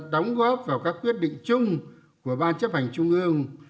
đóng góp vào các quyết định chung của ban chấp hành trung ương